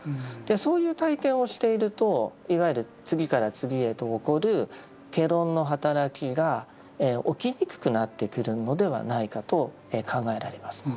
そういう体験をしているといわゆる次から次へと起こる戯論の働きが起きにくくなってくるのではないかと考えられます。